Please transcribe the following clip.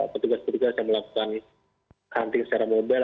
petugas petugas yang melakukan hunting secara mobile